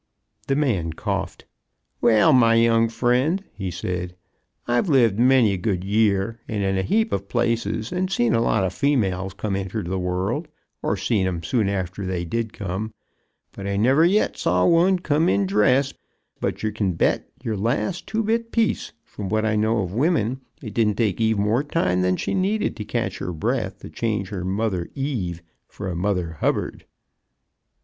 The man coughed. "Well, my young man," said he, "I've lived a good many year and in a heap of places and seen a lot of females come inter the world, or seen 'em soon after they did come, and I never yet saw one come in dressed, but yer kin bet yer last two bit piece, from what I knows of women, it didn't take Eve more time than she needed to catch her breath to change her 'mother Eve' fer a 'mother Hubbard."